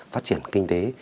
phát triển kinh tế